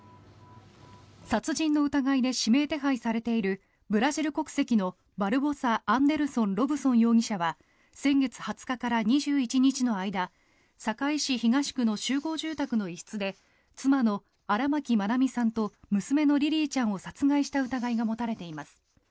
殺人の疑いで指名手配されているブラジル国籍のバルボサ・アンデルソン・ロブソン容疑者は先月２０日から２１日の間堺市東区の集合住宅の一室で妻の荒牧愛美さんと娘のリリィちゃんを殺害した疑いが持たれています。